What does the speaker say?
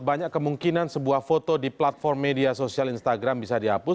banyak kemungkinan sebuah foto di platform media sosial instagram bisa dihapus